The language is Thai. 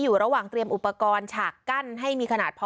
อยู่ระหว่างเตรียมอุปกรณ์ฉากกั้นให้มีขนาดพอ